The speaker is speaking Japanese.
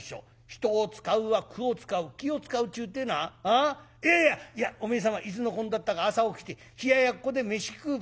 『人を使うは苦を使う』気を使うっちゅうてないやいやいやおめえ様いつのこんだったか朝起きて冷ややっこで飯食う